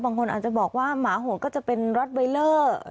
บางคนอาจจะบอกว่าหมาห่วงก็จะเป็นร็อตไวเลอร์